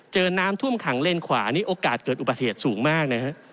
เจอน้ำท่วมขังเลนขวานี่โอกาสเกิดอุบัติเหตุสูงมากนะฮะ